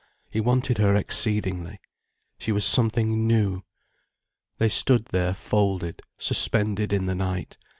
He wanted her exceedingly. She was something new. They stood there folded, suspended in the night.